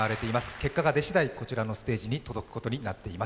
結果が出次第、こちらのステージに届くことになっています。